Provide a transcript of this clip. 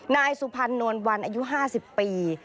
นายสุพรรณนวลวันอายุ๕๐ปี